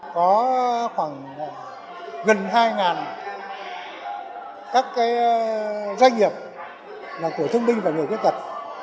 có khoảng gần hai các doanh nghiệp là của thương binh và người khuyết tật